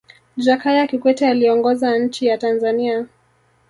jakaya kikwete aliongoza nchi ya tanzania